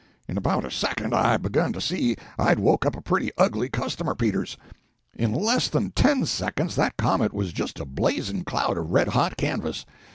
In about a second I begun to see I'd woke up a pretty ugly customer, Peters. In less than ten seconds that comet was just a blazing cloud of red hot canvas.